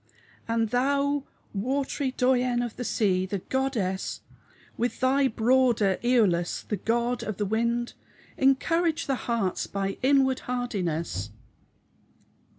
] An thou watery dyane of the se the goddes With thy broder eolus the god of the wynde Encourage the hertes by in warde hardynes Of